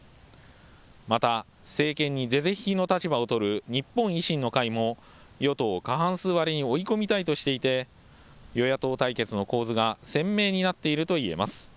また、政権に是々非々の立場を取る日本維新の会も与党を過半数割れに追い込みたいとしていて与野党対決の構図が鮮明になっていると言えます。